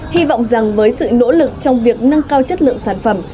hy vọng rằng với sự nỗ lực trong việc nâng cao chất lượng sản phẩm